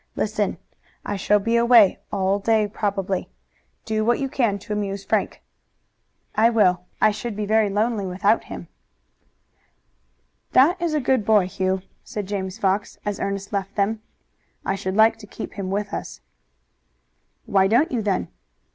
Listen! I shall be away all day probably. Do what you can to amuse Frank." "I will. I should be very lonely without him." "That is a good boy, Hugh," said James Fox, as Ernest left them. "I should like to keep him with us." "Why don't you then?"